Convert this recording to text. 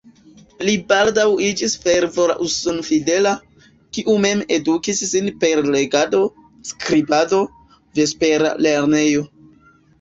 Li baldaŭ iĝis fervora uson-fidela, kiu mem edukis sin per legado, skribado, vespera lernejo.